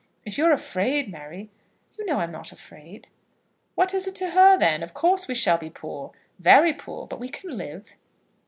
If you are afraid, Mary " "You know I am not afraid." "What is it to her, then? Of course we shall be poor, very poor. But we can live."